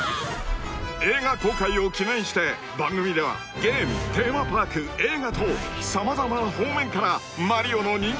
［映画公開を記念して番組ではゲームテーマパーク映画と様々な方面から］